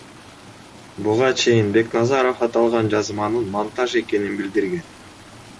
Буга чейин Бекназаров аталган жазманын монтаж экенин билдирген.